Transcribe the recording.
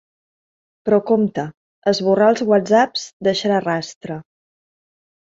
Però compte, esborrar els whatsapps deixarà rastre.